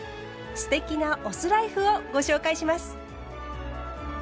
“酢テキ”なお酢ライフをご紹介します。